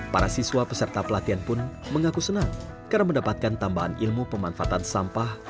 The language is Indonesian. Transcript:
para siswa peserta pelatihan pun mengaku senang karena mendapatkan tambahan ilmu pemanfaatan sampah